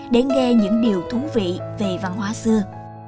để nghe những điều thú vị về văn hóa xưa